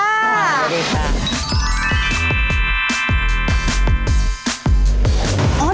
สวัสดีค่ะ